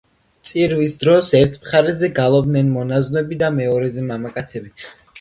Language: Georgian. წირვის დროს ერთ მხარეზე გალობდნენ მონაზვნები და მეორეზე მამაკაცები.